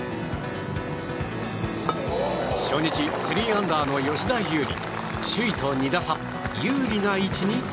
初日３アンダーの吉田優利。